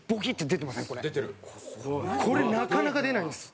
これなかなか出ないんです。